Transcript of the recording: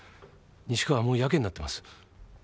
西川はもう自棄になってます。